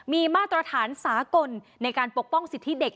มีมาตรฐานสากลในการปกป้องสิทธิเด็ก